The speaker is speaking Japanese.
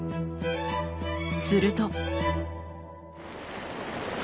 すると。